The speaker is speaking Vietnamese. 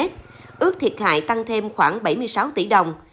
tổng chiều dài tăng thêm khoảng bảy mươi sáu tỷ đồng